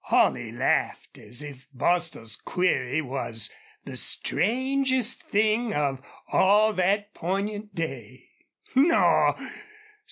Holley laughed as if Bostil's query was the strangest thing of all that poignant day. "Naw.